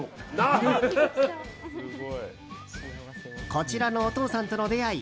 こちらのお父さんとの出会い